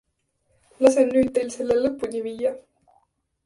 Lasen nüüd teil selle lõpuni viia!